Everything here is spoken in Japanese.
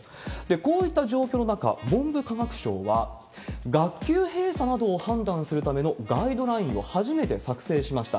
こういった状況の中、文部科学省は、学級閉鎖などを判断するためのガイドラインを初めて作成しました。